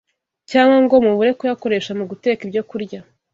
cyangwa ngo mubure kuyakoresha mu guteka ibyokurya